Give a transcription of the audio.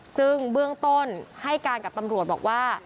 ซึ่งเบื้องต้นให้การกับตำรวจบอกว่า